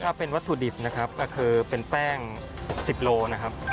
ถ้าเป็นวัตถุดิบนะครับก็คือเป็นแป้ง๑๐โลนะครับ